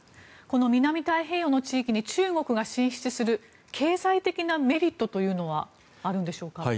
この南太平洋の地域に中国が進出する経済的なメリットというのはあるんでしょうか？